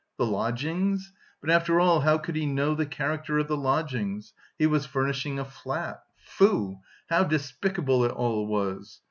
The lodgings? But after all how could he know the character of the lodgings? He was furnishing a flat... Foo! how despicable it all was!